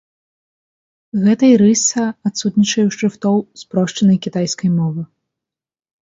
Гэтай рыса адсутнічае ў шрыфтоў спрошчанай кітайскай мовы.